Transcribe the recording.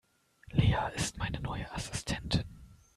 Lea ist meine neue Assistentin.